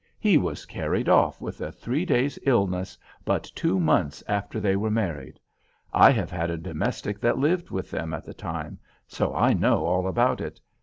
He was carried off with a three days' illness, but two months after they were married. I have had a domestic that lived with them at the time, so I know all about it.